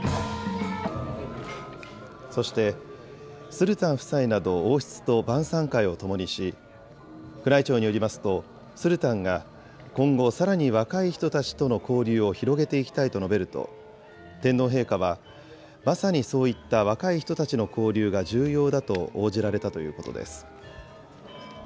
そして、スルタン夫妻など王室と晩さん会をともにし、宮内庁によりますと、スルタンが今後、さらに若い人たちとの交流を広げていきたいと述べると、天皇陛下は、まさにそういった若い人たちの交流が重要だと応じられたということです。